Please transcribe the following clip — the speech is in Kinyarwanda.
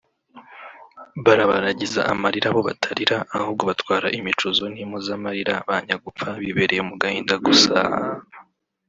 Barabaragiza amarira bo batarira ahubwo batwara imicuzo n’impozamarira ba nyagupfa bibereye mu gahinda gusaaaa